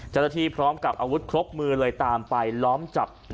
เจ้าหน้าที่พร้อมกับอาวุธครบมือเลยตามไปล้อมจับ